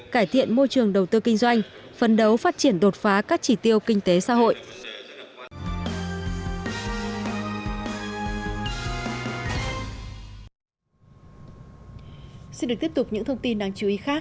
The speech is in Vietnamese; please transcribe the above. cải thiện môi trường đầu tư kinh doanh phấn đấu phát triển đột phá các chỉ tiêu kinh tế xã hội